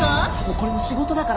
これも仕事だから！